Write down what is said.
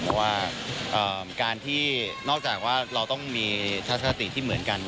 เพราะว่าการที่นอกจากว่าเราต้องมีทัศนติที่เหมือนกัน